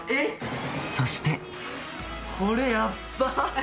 そして、これ、やっば！